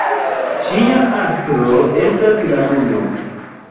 Ŝia astro estas la luno.